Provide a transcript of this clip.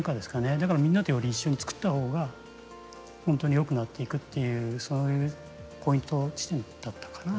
だからみんなとより一緒に作った方が本当によくなっていくっていうそういうポイント地点だったかな。